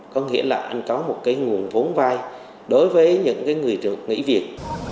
có nghĩa là anh có một cái nguồn vốn vai đối với những người được nghỉ việc